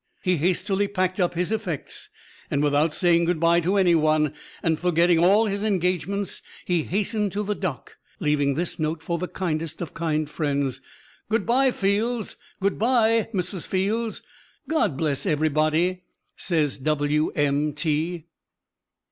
He hastily packed up his effects and without saying good by to any one, and forgetting all his engagements, he hastened to the dock, leaving this note for the kindest of kind friends: "Good by, Fields; good by, Mrs. Fields God bless everybody, says W.M.T."